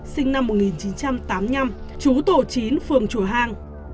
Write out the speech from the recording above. sinh năm một nghìn chín trăm tám mươi năm chú tổ chín phường chùa hàng